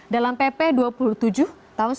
dalam pp dua puluh tujuh tahun tujuh puluh